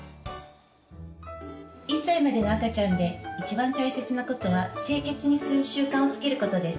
１歳までの赤ちゃんでいちばん大切なことは清潔にする習慣をつけることです。